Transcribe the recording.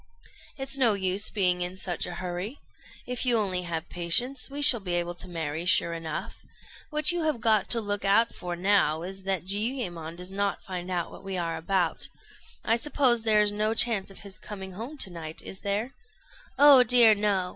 "It's no use being in such a hurry. If you only have patience, we shall be able to marry, sure enough. What you have got to look out for now is, that Jiuyémon does not find out what we are about. I suppose there is no chance of his coming home to night, is there?" "Oh dear, no!